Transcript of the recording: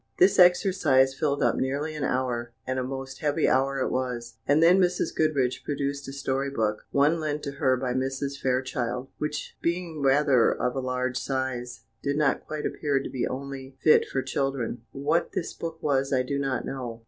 This exercise filled up nearly an hour, and a most heavy hour it was: and then Mrs. Goodriche produced a story book one lent to her by Mrs. Fairchild which, being rather of a large size, did not quite appear to be only fit for children; what this book was I do not know.